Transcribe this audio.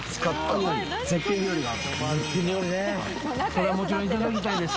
それはもちろんいただきたいです